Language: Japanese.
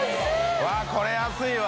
うわっこれ安いわ！